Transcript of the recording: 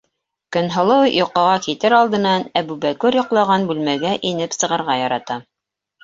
Көнһылыу йоҡоға китер алдынан Әбүбәкер йоҡлаған бүлмәгә инеп сығырға ярата.